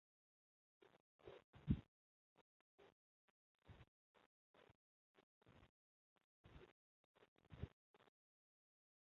博尔德列夫卡村委员会是俄罗斯联邦阿穆尔州扎维京斯克区所属的一个村委员会。